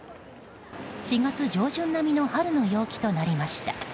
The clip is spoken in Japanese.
４月上旬並みの春の陽気となりました。